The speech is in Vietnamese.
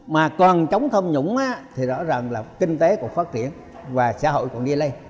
mà còn chống thâm nhũng thì rõ ràng là kinh tế còn phát triển và xã hội còn nghe lên